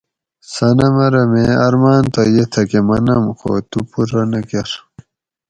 صنم ارو میں ارماۤن تہ یہ تھکہ منم خو تو پورہ نہ کۤر